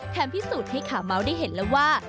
พิสูจน์ให้ขาเมาส์ได้เห็นแล้วว่า